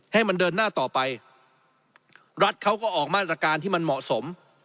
ให้มันเดินหน้าต่อไปรัฐเขาก็ออกมาตรการที่มันเหมาะสม